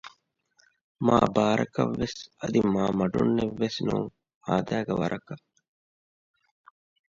މާބާރަކަށްވެސް އަދި މާމަޑުންނެއް ވެސް ނޫން އާދައިގެ ވަރަކަށް